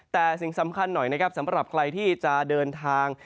แต่สิ่งสำคัญหน่อยนะครับสำหรับใครที่จะเดินทาง